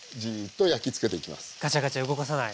ガチャガチャ動かさない。